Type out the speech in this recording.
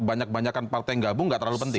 banyak banyakan partai yang gabung gak terlalu penting